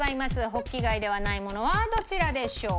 ホッキ貝ではないものはどちらでしょうか？